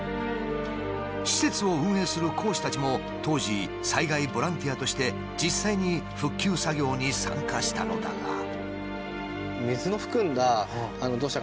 施設を運営する講師たちも当時災害ボランティアとして実際に復旧作業に参加したのだが。